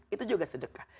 itu juga sedekah